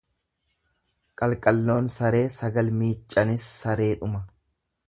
Qalqalloon saree sagal miiccanis sareedhuma.